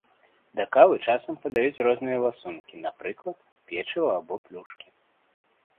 Да кавы часам падаюць розныя ласункі, напрыклад, печыва або плюшкі.